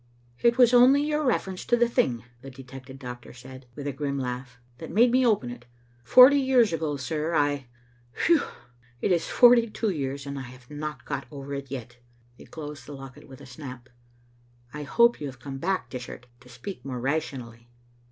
" It was only your reference to the thing, " the detected doctor said, with a grim laugh, " that made me open it. Forty years ago, sir, I Phew ! it is forty two years, and I have not got over it yet. " He closed the locket with a snap. " I hope you have come back, Dishart, to speak more rationally?"